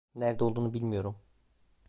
Nerede olduğunu bilmiyorum.